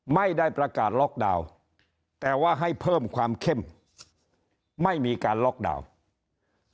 ไม่ได้ประกาศล็อกดาวน์แต่ว่าให้เพิ่มความเข้มไม่มีการล็อกดาวน์